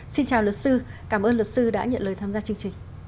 xin chào luật sư cảm ơn luật sư đã nhận lời tham gia chương trình